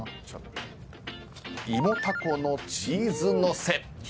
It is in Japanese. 「芋蛸」のチーズのせ。